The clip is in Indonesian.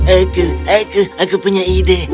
oke aku aku punya ide